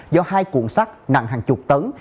do hai cuộn xác nặng hàng chục tấn